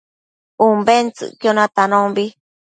Umbentsëcquio natanombi